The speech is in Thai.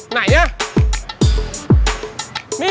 ไหนเนี่ย